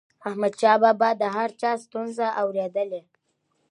احمدشاه بابا به د هر چا ستونزه اوريدله.